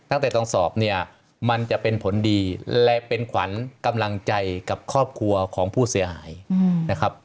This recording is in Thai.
ตั้งแต่ต้องสอบเนี่ยมันจะเป็นผลดีและเป็นขวัญกำลังใจกับครอบครัวของผู้เสียหายนะครับ